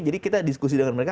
jadi kita diskusi dengan mereka